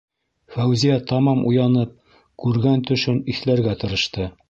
...Фәүзиә тамам уянып, күргән төшөн иҫләргә тырышты.